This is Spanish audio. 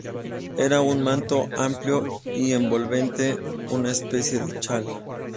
Era un manto amplio y envolvente, una especie de chal.